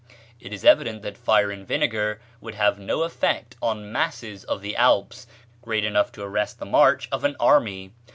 It is evident that fire and vinegar would have no effect on masses of the Alps great enough to arrest the march of an army.